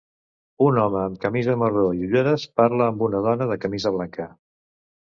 Un home amb camisa marró i ulleres parla amb una dona de camisa blanca.